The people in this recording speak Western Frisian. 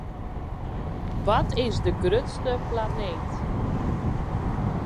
Wat is de grutste planeet?